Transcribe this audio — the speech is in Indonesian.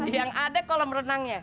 yang ada kolam renangnya